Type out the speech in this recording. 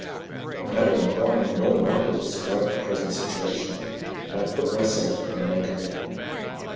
But neither inquiry nor wonder described the present situation, and I put myself upon my guard.